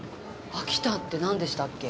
秋田ってなんでしたっけ？